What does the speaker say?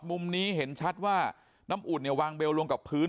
มุมนี้เห็นชัดว่าน้ำอุ่นเนี่ยวางเบลลงกับพื้น